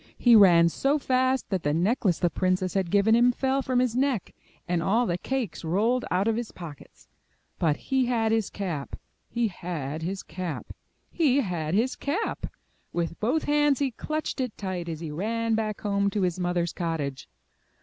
He ran so fast that the necklace the princess 17 MY BOOK HOUSE had given him fell from his neck, and all the cakes rolled out of his pockets. But he had his cap ! He had his cap ! He had his cap ! With both hands he clutched it tight as he ran back home to his mother^s cottage.